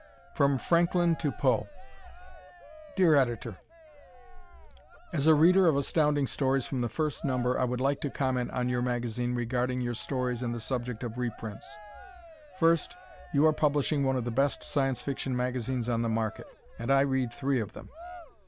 From Franklin to Poe Dear Editor: As a Reader of Astounding Stories from the first number I would like to comment on your magazine regarding your stories and the subject of reprints. First, you are publishing one of the best Science Fiction magazines on the market, and I read three of them.